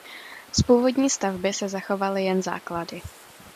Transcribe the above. Z původní stavby se zachovaly jen základy.